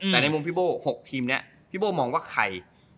แต่ดังหมุมพี่โบก่อน๖ทีมพี่โบ่มองว่าใคร